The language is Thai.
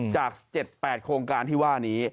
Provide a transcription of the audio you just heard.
จาก๗๘โครงการที่ว่านี้